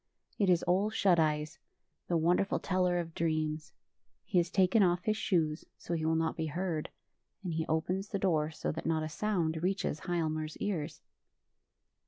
It is Ole Shut Eyes, the wonderful teller of dreams. He has taken off his shoes, so he >vill not be heard, and he opens the door so that not a sound reaches Hialmar's ears.